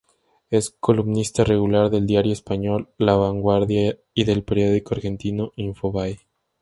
Es columnista regular del diario español "La Vanguardia" y del periódico argentino Infobae.